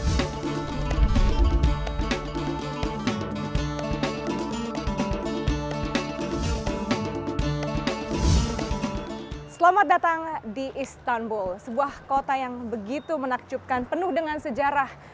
selamat datang di istanbul sebuah kota yang begitu menakjubkan penuh dengan sejarah